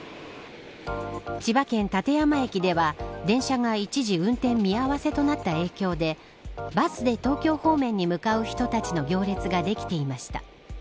千葉県館山駅では電車が一時運転見合わせとなった影響でバスで東京方面に向かう人たちの行列ができていました。